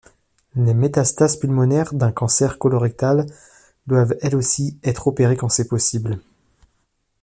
Les métastases pulmonaires d'un cancer colorectal doivent elles aussi être opérées quand c'est possible.